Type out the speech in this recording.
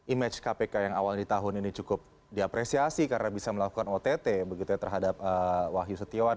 image kpk yang awal di tahun ini cukup diapresiasi karena bisa melakukan ott begitu ya terhadap wahyu setiawan